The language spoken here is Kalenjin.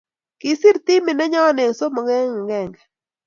Kisiir timit nenyo eng somok eng agenge